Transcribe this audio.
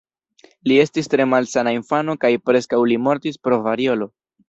Li estis tre malsana infano kaj preskaŭ li mortis pro variolo.